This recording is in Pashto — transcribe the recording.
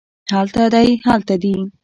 هلته دی هلته دي